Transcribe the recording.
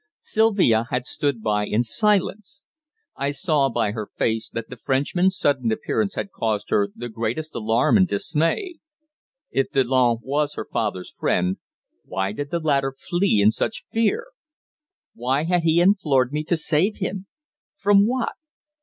Sylvia had stood by in silence. I saw by her face that the Frenchman's sudden appearance had caused her the greatest alarm and dismay. If Delanne was her father's friend, why did the latter flee in such fear? Why had he implored me to save him? From what?